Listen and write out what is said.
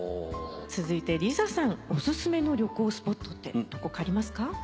続いてＬｉＳＡさんおすすめの旅行スポットってどこかありますか？